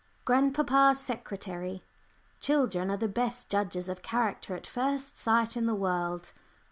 GRANDPAPA'S SECRETARY. ... "Children are the best judges of character at first sight in the world."